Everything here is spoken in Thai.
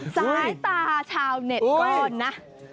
สายตาชาวเน็ตก็โดนนะ